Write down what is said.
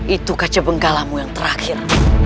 itu kacabengkala mu yang terakhir